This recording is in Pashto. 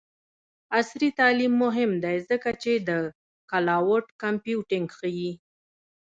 عصري تعلیم مهم دی ځکه چې د کلاؤډ کمپیوټینګ ښيي.